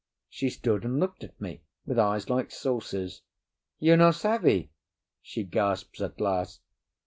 She stood and looked at me with eyes like saucers. "You no savvy?" she gasps at last.